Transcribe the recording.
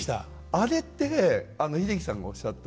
あれって英樹さんがおっしゃった